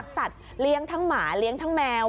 สัตว์เลี้ยงทั้งหมาเลี้ยงทั้งแมว